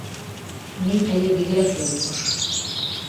Мин әле бигерәк йолҡош...